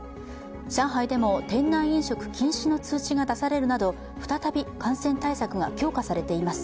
上海でも店内飲食禁止の通知が出されるなど再び感染対策が強化されています。